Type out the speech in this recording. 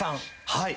はい。